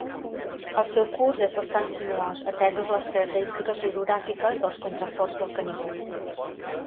El seu curs és bastant sinuós, ateses les característiques orogràfiques dels contraforts del Canigó.